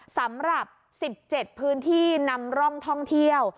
สำหรับ๑๗พื้นที่นำร่องท่องเที่ยว